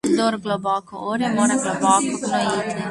Kdor globoko orje, mora globoko gnojiti.